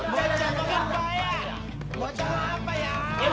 bocah siapa ya